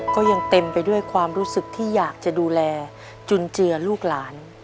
ก็ยังเต็มไปด้วยความรู้สึกที่อยากจะดูแลจุนเจือลูกหลาน